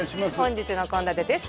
本日の献立です